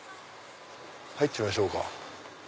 入ってみましょうか。